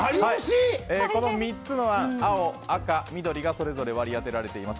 この３つの青、赤、緑がそれぞれ割り当てられています。